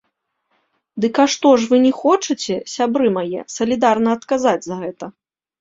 Дык а што ж вы не хочаце, сябры мае, салідарна адказаць за гэта?